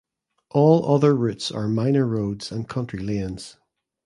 All other routes are minor roads and country lanes.